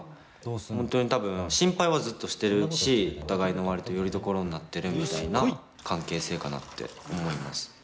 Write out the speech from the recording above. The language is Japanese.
本当に多分心配はずっとしてるしお互いの割とよりどころになってるみたいな関係性かなって思います。